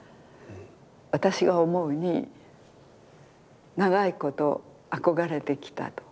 私が思うに長いこと憧れてきたと。